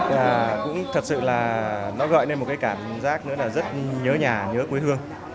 và cũng thật sự là nó gợi lên một cái cảm giác nữa là rất nhớ nhà nhớ quê hương